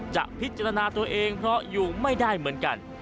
จะพิจารณาตัวเองเพราะอยู่ไม่ได้เหมือนกัน